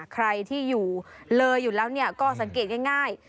ใครที่อยู่เลยอยู่แล้วก็สังเกตง่าย